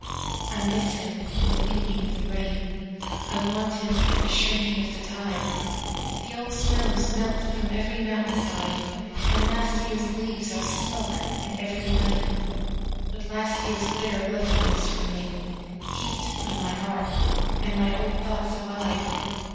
I miss him in the weeping of the rain;I want him at the shrinking of the tide; The old snows melt from every mountain side, And last year's leaves are smoke in every lane; But last year's bitter loving must remainHeaped on my heart, and my old thoughts abide!